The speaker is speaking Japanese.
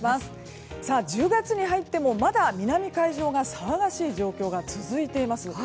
１０月に入ってもまだ南海上が騒がしい状況が続いています。